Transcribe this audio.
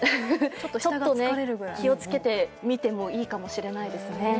ちょっと気をつけてみてもいいかもしれないですね。